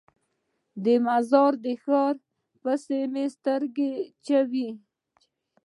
د مزار د ښار پسې مو سترګې اچولې.